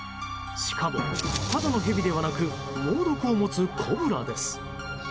しかも、ただのヘビではなく猛毒を持つコブラです。